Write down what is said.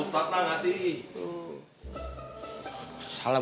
untung gandeng lah